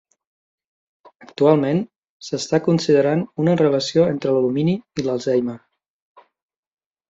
Actualment, s'està considerant una relació entre l'alumini i l'Alzheimer.